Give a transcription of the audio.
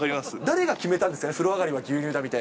誰が決めたんですかね、確かに。